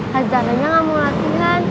hazaranya gak mau latihan